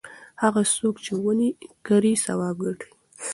هغه څوک چې ونې کري ثواب ګټي.